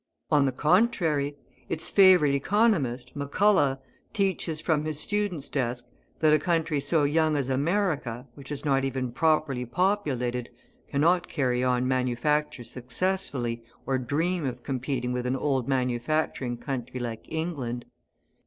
On the contrary; its favourite economist, M'Culloch, teaches from his student's desk, that a country so young as America, which is not even properly populated, cannot carry on manufacture successfully or dream of competing with an old manufacturing country like England.